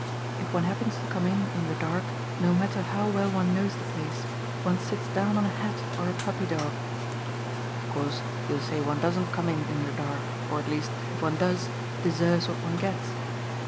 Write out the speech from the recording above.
If one happens to come in in the dark, no matter how well one knows the place, one sits down on a hat or a puppy dog. But of course you'll say one doesn't come in in the dark, or at least, if one does, deserves what one gets.